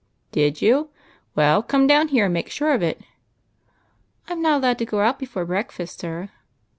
" Did you ? Well, come down here and make sure of it." " I 'm not allowed to go out before breakfast, sir."